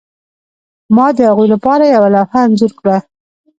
ما د هغوی لپاره یوه لوحه انځور کړه